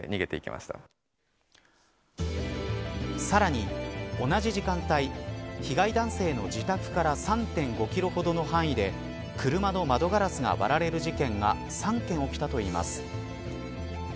さらに、同じ時間帯被害男性の自宅から３．５キロほどの範囲で車の窓ガラスが割られる事件が３件起きたといいます。